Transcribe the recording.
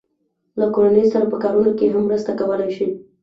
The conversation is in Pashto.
له کورنۍ سره په کارونو کې هم مرسته کولای شي.